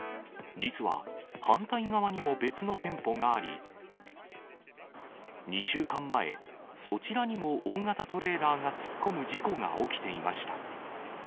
実は、反対側にも別の店舗があり、２週間前、そちらにも大型トレーラーが突っ込む事故が起きていました。